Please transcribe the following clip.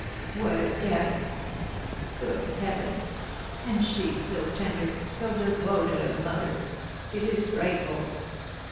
'" "What a death! Good heaven! And she so tender, so devoted a mother, it is frightful!"